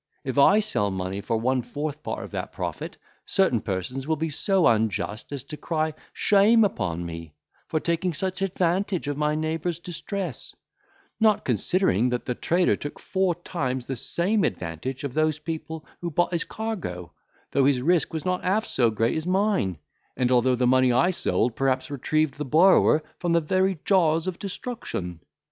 If I sell money for one fourth part of that profit, certain persons will be so unjust as to cry, Shame upon me, for taking such advantage of my neighbour's distress; not considering, that the trader took four times the same advantage of those people who bought his cargo, though his risk was not half so great as mine, and although the money I sold perhaps retrieved the borrower from the very jaws of destruction.